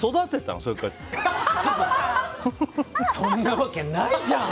そんなわけないじゃん！